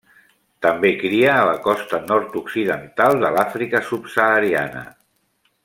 També cria a la costa nord-occidental de l'Àfrica subsahariana.